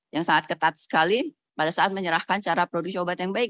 yang sangat ketat sekali pada saat menyerahkan cara produksi obat yang baik